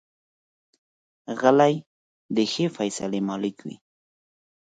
غلی، د ښې فیصلې مالک وي.